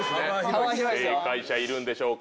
正解者いるんでしょうか？